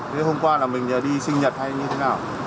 thế hôm qua là mình đi sinh nhật hay như thế nào